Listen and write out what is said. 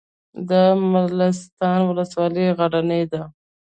د مالستان ولسوالۍ غرنۍ ده